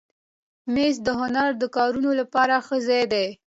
مېز د هنري کارونو لپاره ښه ځای دی.